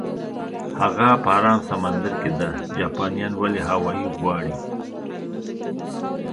هغه په ارام سمندر کې ده، جاپانیان ولې هاوایي غواړي؟